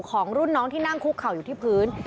ของรุ่นน้องที่นั่งคุกเข่าอยู่ที่พื้น